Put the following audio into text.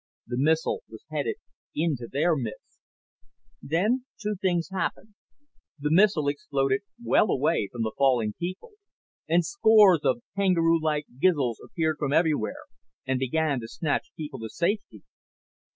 The missile was headed into their midst. Then two things happened. The missile exploded well away from the falling people. And scores of kangaroo like Gizls appeared from everywhere and began to snatch people to safety.